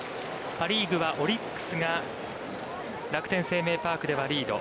パ・リーグはオリックスが楽天生命パークではリード。